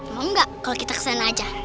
mau enggak kalau kita kesana aja